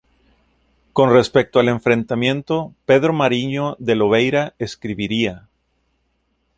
Con respecto al enfrentamiento, Pedro Mariño de Lobeira escribiría:.